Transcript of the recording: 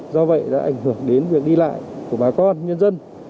do vậy đã ảnh hưởng đến việc đi lại của bà con nhân dân